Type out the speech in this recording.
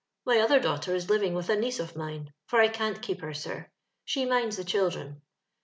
My other daughter is living with a niece of mine, for I can't keep her, sir ; she minds the children.